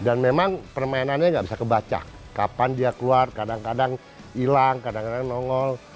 dan memang permainannya gak bisa kebaca kapan dia keluar kadang kadang hilang kadang kadang nongol